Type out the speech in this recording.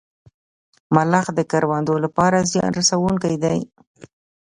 ملخ د کروندو لپاره زیان رسوونکی دی